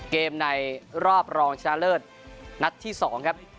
ในรอบรองชนะเลิศนัดที่๒ครับ